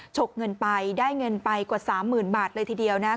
ฉกเงินไปได้เงินไปกว่า๓๐๐๐บาทเลยทีเดียวนะ